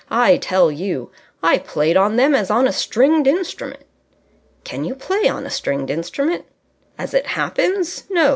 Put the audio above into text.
I tell you, I played on them as on a stringed instrument...." "Can you play on a stringed instrument?" "As it happens, no.